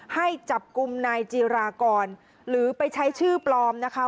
ให้จับกลุ่มนายจีรากรหรือไปใช้ชื่อปลอมนะคะ